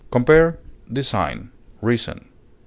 Compare DESIGN; REASON.